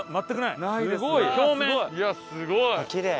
いやすごい！